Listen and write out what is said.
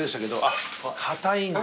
あっ硬いんだ。